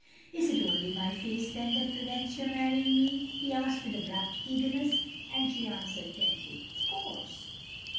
"Is it only my face then that prevents your marrying me?" he asked with abrupt eagerness, and she answered gently, "Of course."